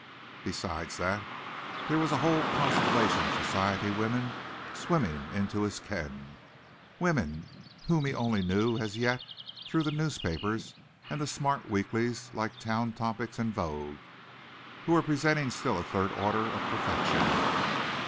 Besides that, there was a whole constellation of society women swimming into his ken women whom he only knew, as yet, through the newspapers and the smart weeklies like Town Topics and Vogue, who were presenting still a third order of perfection.